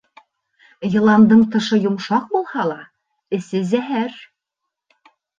Йыландың тышы йомшаҡ булһа ла, эсе зәһәр.